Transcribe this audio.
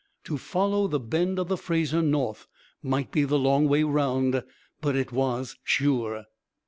To follow the bend of the Fraser north might be the long way round, but it was sure.